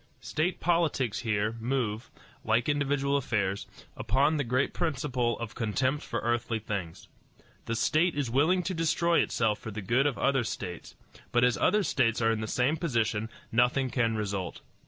State politics here move, like individual affairs, upon the great principle of contempt for earthly things. The state is willing to destroy itself for the good of other states; but as other states are in the same position, nothing can result.